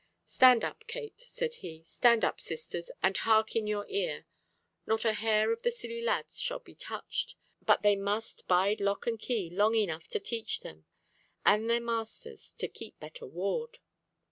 'Stand up, Kate,' said he, 'stand up, sisters, and hark in your ear. Not a hair of the silly lads shall be touched, but they must bide lock and key long enough to teach them and their masters to keep better ward.